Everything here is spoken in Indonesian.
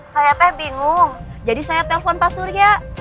saya teh bingung jadi saya telpon pak surya